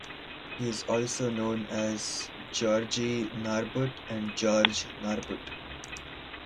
He is also known as Georgy Narbut and George Narbut.